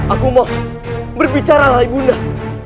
aku mau berbicara lah ibu nah